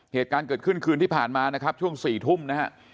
เหตุการณ์เกิดขึ้นคืนที่ผ่านมานะครับช่วง๔ทุ่มนะฮะ